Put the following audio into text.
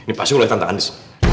ini pasti oleh tante andis